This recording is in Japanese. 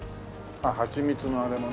あっハチミツのあれのね。